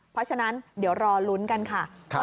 เพราะฉะนั้นเดี๋ยวรอลุ้นกันค่ะ